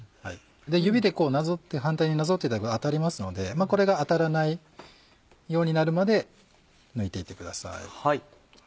指でこうなぞって反対になぞっていただくと当たりますのでこれが当たらないようになるまで抜いていってください。